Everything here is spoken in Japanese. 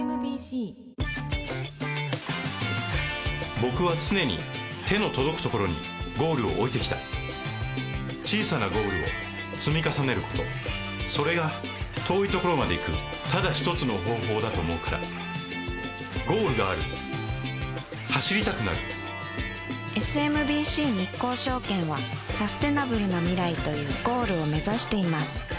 僕は常に手の届くところにゴールを置いてきた小さなゴールを積み重ねることそれが遠いところまで行くただ一つの方法だと思うからゴールがある走りたくなるＳＭＢＣ日興証券はサステナブルな未来というゴールを目指しています